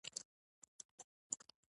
زرګر هغه کس دی چې له زرو سینګاري وسایل جوړوي